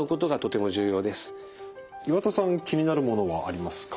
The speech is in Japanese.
岩田さん気になるものはありますか？